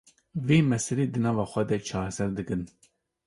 vê meselê di nava xwe de çareser dikin